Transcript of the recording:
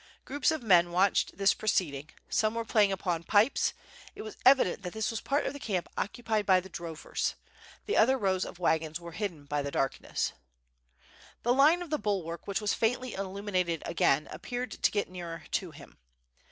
Groups of men wa'tched this proceeding; some were playing upon pipes; it was evident that this was the part of the camp occupied bv the drovers. The other rows of wagons were hidden by the darkness. WITB FIRE AND SWORD. 763 The line of the bulwark which was faintly illuminated again appeared to get nearer to him.